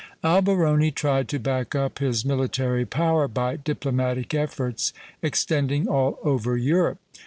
Alberoni tried to back up his military power by diplomatic efforts extending all over Europe.